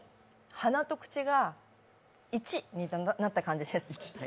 鼻と口が１になった感じです